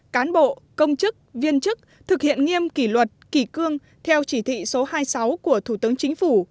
cán bộ công chức viên chức thực hiện nghiêm kỷ luật kỳ cương theo chỉ thị số hai mươi sáu của thủ tướng chính phủ